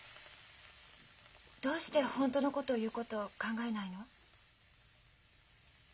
どうして本当のことを言うことを考えないの？